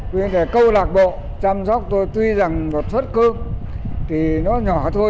với câu lọc bộ chăm sóc tôi tuy rằng một xuất cơm thì nó nhỏ thôi